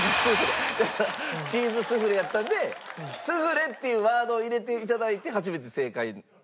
だからチーズスフレやったんで「スフレ」っていうワードを入れて頂いて初めて正解。